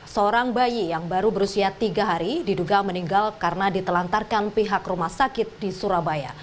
seorang bayi yang baru berusia tiga hari diduga meninggal karena ditelantarkan pihak rumah sakit di surabaya